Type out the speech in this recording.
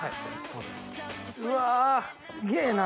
うわすげぇな。